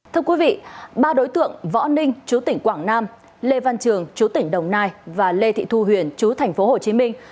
thưa quý vị ba đối tượng võ ninh chú tỉnh quảng nam lê văn trường chú tỉnh đồng nai và lê thị thu huyền chú thành phố hồ chí minh